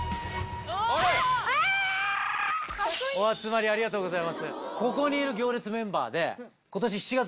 お集まりありがとうございます。